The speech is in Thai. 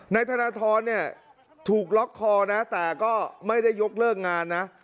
นายธนทรเนี่ยถูกล็อกคอนะแต่ก็ไม่ได้ยกเลิกงานนะ